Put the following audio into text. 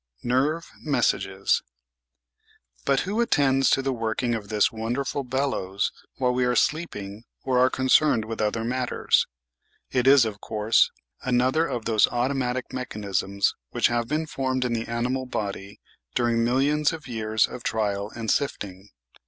Nerve Messages But who attends to the working of this wonderful bellows while we are sleeping or are concerned with other matters? It is, of course, another of those automatic mechanisms which have been formed in the animal body during millions of years of trial and sifting.